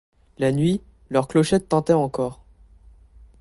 La nuit, leurs clochettes tintaient encore.